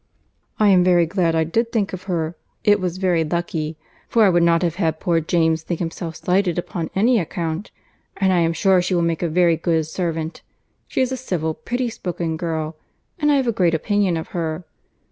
"I am very glad I did think of her. It was very lucky, for I would not have had poor James think himself slighted upon any account; and I am sure she will make a very good servant: she is a civil, pretty spoken girl; I have a great opinion of her.